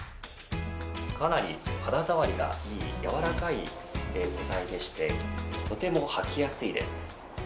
かなり肌触りがいいやわらかい素材でしてとてもはきやすいです。